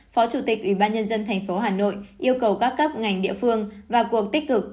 phó chủ tịch ủy ban nhân dân thành phố hà nội yêu cầu các cấp ngành địa phương và quốc tích cực